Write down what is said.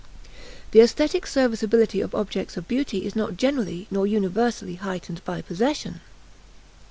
The aesthetic serviceability of objects of beauty is not greatly nor universally heightened by possession.